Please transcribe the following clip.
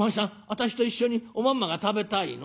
私と一緒におまんまが食べたいの？」。